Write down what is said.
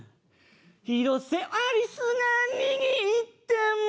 「広瀬アリスが握っても」